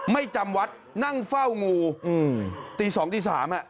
ไม่จำวัดนั่งเฝ้างูตี๒ตี๓อ่ะ